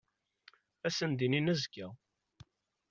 Ad sen-d-inin azekka.